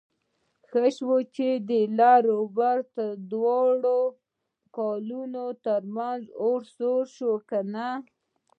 ښه شو چې د لر او بر دواړو کلو ترمنځ اور سوړ شو کني...